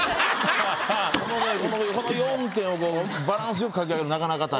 この４点をバランス良く描き上げるのなかなか大変。